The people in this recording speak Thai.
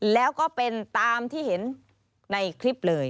แล้วก็เป็นตามที่เห็นในคลิปเลย